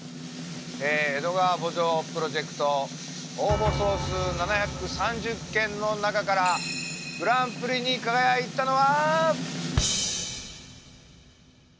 「江戸川慕情プロジェクト」応募総数７３０件の中からグランプリに輝いたのは！